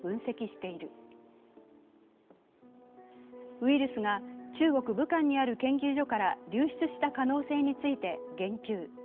ウイルスが中国・武漢にある研究所から流出した可能性があることについて言及。